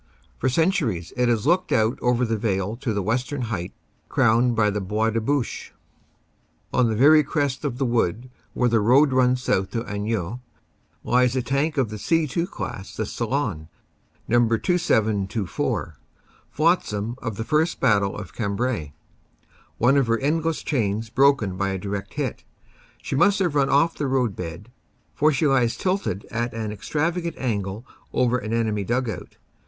For cen turies it has looked out over the vale to the western heights crowned by the Bois de Bouche. On the very crest of the wood, where the road runs south to Anneux, lies a tank of the C 2 class, the "Ceylon," No. 2724, flotsam of the first battle of Cambrai. One of her end less chains broken by a direct hit, she must have run off the roadbed, for she lies tilted at an extravagant angle over an enemy dug out.